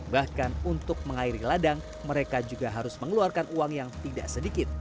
bahkan untuk mengairi ladang mereka juga harus mengeluarkan uang yang tidak sedikit